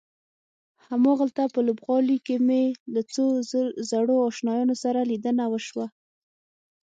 هماغلته په لوبغالي کې مې له څو زړو آشنایانو سره لیدنه وشوه.